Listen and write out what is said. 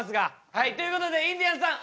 はいということでインディアンスさん